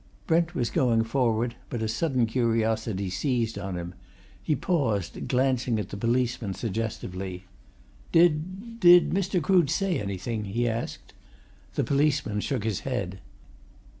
Brent was going forward, but a sudden curiosity seized on him. He paused, glancing at the policeman suggestively. "Did did Mr. Crood say anything?" he asked. The policeman shook his head.